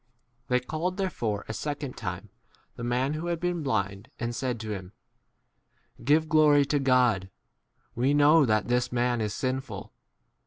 h They called therefore a second time the man who had been blind, and said to him, Give glory to God; we" 25 know that this man is sinful.